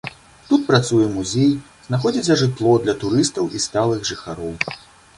Тут працуе музей, знаходзіцца жытло для турыстаў і сталых жыхароў.